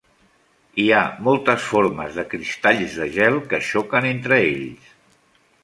Hi ha moltes formes de cristalls de gel que xoquen entre ells.